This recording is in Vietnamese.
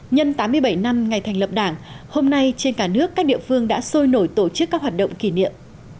nhân tám mươi bảy năm ngày thành lập đảng hôm nay trên cả nước các địa phương đã sôi nổi tổ chức các hoạt động kỷ niệm